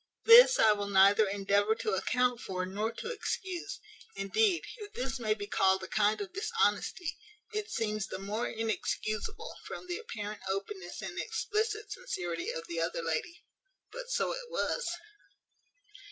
This I will neither endeavour to account for nor to excuse. Indeed, if this may be called a kind of dishonesty, it seems the more inexcusable, from the apparent openness and explicit sincerity of the other lady. But so it was.